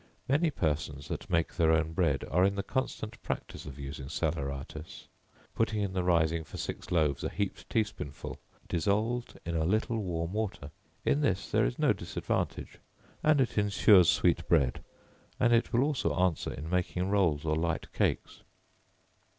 Many persons that make their own bread, are in the constant practice of using salaeratus, putting in the rising for six loaves a heaped tea spoonful, dissolved in a little warm water; in this there is no disadvantage, and it insures sweet bread, and will also answer in making rolls or light cakes.